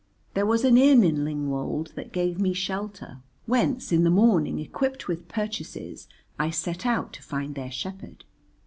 There was an inn in Lingwold that gave me shelter, whence in the morning, equipped with purchases, I set out to find their shepherd.